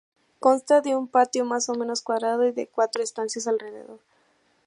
Consta de un patio más o menos cuadrado y de cuatro estancias alrededor.